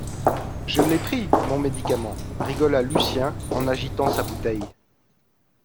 Je l’ai pris, mon médicament, rigola Lucien, en agitant sa bouteille